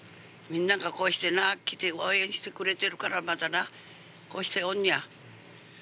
みんながこうしてな、来て応援してくれてるからな、またな、こうしておんねや。